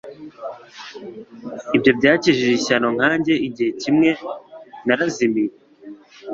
Ibyo byakijije ishyano nkanjye Igihe kimwe narazimiye